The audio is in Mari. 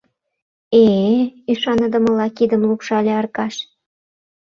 — Э-э... — ӱшаныдымыла кидым лупшалеш Аркаш.